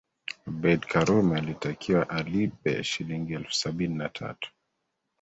Abeid Karume alitakiwa alipe Shilingi elfu sabini na tatu